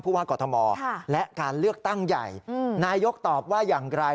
ว่ากอทมและการเลือกตั้งใหญ่นายกตอบว่าอย่างไร